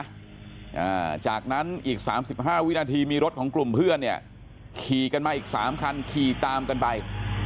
อ่าจากนั้นอีกสามสิบห้าวินาทีมีรถของกลุ่มเพื่อนเนี่ยขี่กันมาอีกสามคันขี่ตามกันไป